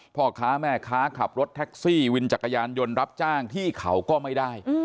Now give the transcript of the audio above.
พ่อค้าแม่ค้าขับรถแท็กซี่วินจักรยานยนต์รับจ้างที่เขาก็ไม่ได้